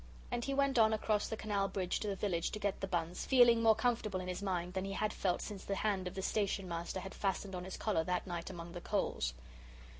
And he went on across the canal bridge to the village to get the buns, feeling more comfortable in his mind than he had felt since the hand of the Station Master had fastened on his collar that night among the coals.